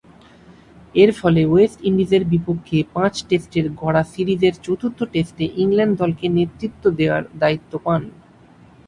এরফলে ওয়েস্ট ইন্ডিজের বিপক্ষে পাঁচ টেস্টের গড়া সিরিজের চতুর্থ টেস্টে ইংল্যান্ড দলকে নেতৃত্ব দেয়ার দায়িত্ব পান।